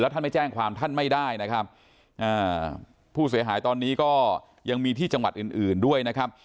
ท่านไม่แจ้งความท่านไม่ได้นะครับผู้เสียหายตอนนี้ก็ยังมีที่จังหวัดอื่นอื่นด้วยนะครับ